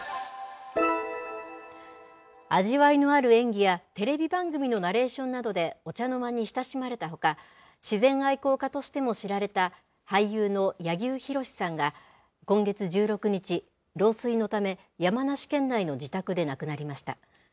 味わいのある演技やテレビ番組のナレーションなどでお茶の間に親しまれたほか、自然愛好家としても知られた俳優の柳生博さんが、今月１６日、老衰のため、山梨県内の自宅で亡くなりました。